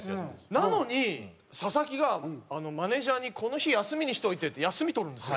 なのに佐々木がマネジャーに「この日休みにしといて」って休み取るんですよ。